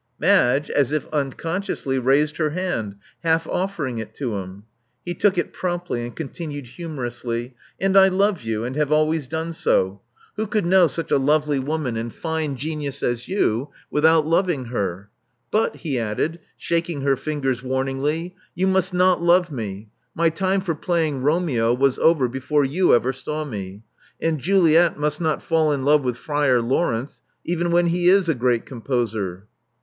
Madge, as if uncon sciously, raised her hand, half offering it to him. He took it promptly, and continued humorously, And I love you, and have always done so. Who could know such a lovely woman and fine genius as you without loving her? But,*' he added, shaking her fingers warningly, you must not love me. My time for playing Romeo was over before you ever saw me; and Juliet must not fall in love with Friar Lawrence, even when he is a great composer."